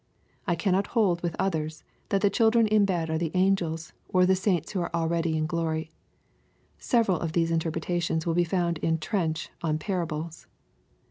— ^I cannot hold with others, that the children in bed are the angels, or the saints who are already in glory. Several of these interpretations will be found in Trench on Parables.